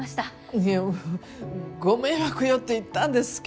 いえご迷惑よって言ったんですけど。